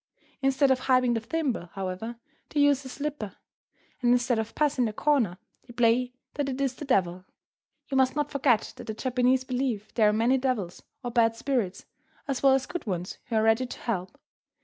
Instead of hiding the thimble, however, they use a slipper, and instead of puss in the corner, they play that it is the devil. You must not forgot that the Japanese believe there are many devils, or bad spirits, as well as good ones who are ready to help.